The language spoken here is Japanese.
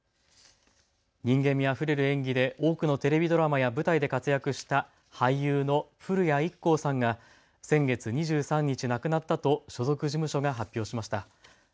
人間味あふれる演技で多くのテレビドラマや舞台で活躍した俳優の古谷一行さんが先月２３日、亡くなったと所属事務所が発表しました。